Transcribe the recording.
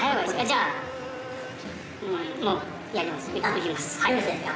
じゃあもうやります。